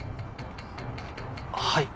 はい。